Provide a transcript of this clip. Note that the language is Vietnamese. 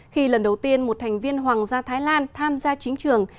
khi lần đầu tiên một thành viên hoàng gia thái lan tham gia chính trường